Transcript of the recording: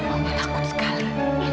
aku takut sekali